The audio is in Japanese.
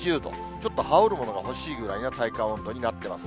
ちょっと羽織るものが欲しいぐらいな体感温度になっています。